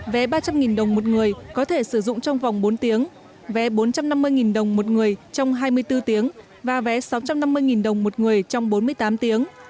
vé ba trăm linh đồng một người có thể sử dụng trong vòng bốn tiếng vé bốn trăm năm mươi đồng một người trong hai mươi bốn tiếng và vé sáu trăm năm mươi đồng một người trong bốn mươi tám tiếng